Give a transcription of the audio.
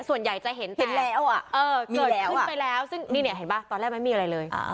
ส่วนใหญ่จะเห็นเป็นแล้วเกิดขึ้นไปแล้วซึ่งนี่เนี่ยเห็นป่ะตอนแรกไม่มีอะไรเลย